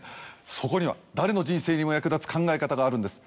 そこには誰の人生にも役立つ考え方があるんです。